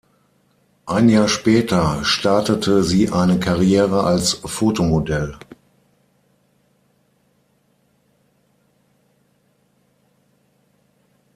Ein Jahr später startete sie eine Karriere als Fotomodell.